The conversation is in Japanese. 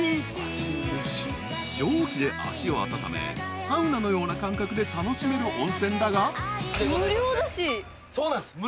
［蒸気で足を温めサウナのような感覚で楽しめる温泉だが］